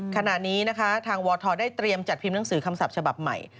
ขณะนี้นะคะทางวทได้เตรียมจัดพิมพ์หนังสือคำศัพท์ฉบับใหม่